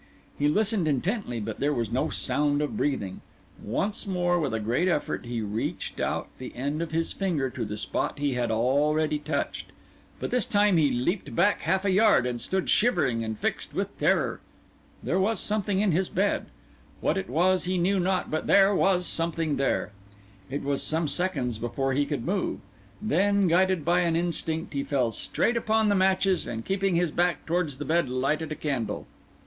He listened intently, but there was no sound of breathing. Once more, with a great effort, he reached out the end of his finger to the spot he had already touched; but this time he leaped back half a yard, and stood shivering and fixed with terror. There was something in his bed. What it was he knew not, but there was something there. It was some seconds before he could move. Then, guided by an instinct, he fell straight upon the matches, and keeping his back towards the bed lighted a candle.